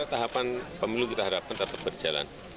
tahapan pemilu kita harapkan tetap berjalan